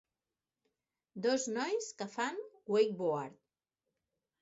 Dos nois que fan wakeboard.